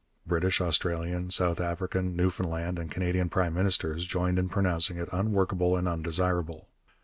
British, Australian, South African, Newfoundland, and Canadian prime ministers joined in pronouncing it unworkable and undesirable.